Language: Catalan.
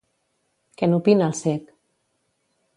Què n'opina el cec?